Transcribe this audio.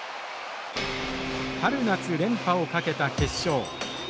春夏連覇を懸けた決勝。